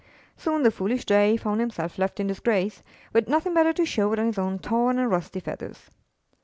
Soon the foolish Jay found himself left in disgrace, with nothing better to show than his own torn and rusty feathers.